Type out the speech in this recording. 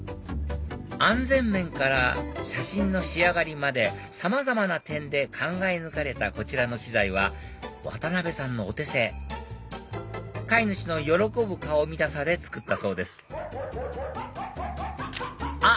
安全面から写真の仕上がりまでさまざまな点で考え抜かれたこちらの機材は渡さんのお手製飼い主の喜ぶ顔見たさで作ったそうですあっ